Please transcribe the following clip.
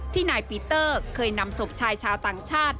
นายปีเตอร์เคยนำศพชายชาวต่างชาติ